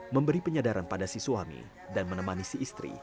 memberi penyadaran pada si suami dan menemani si istri